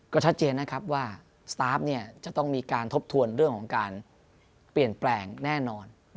ก็ชัดเจนนะครับว่าสตาร์ฟเนี่ยจะต้องมีการทบทวนเรื่องของการเปลี่ยนแปลงแน่นอน